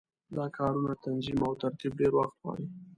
دا کارونه تنظیم او ترتیب ډېر وخت غواړي.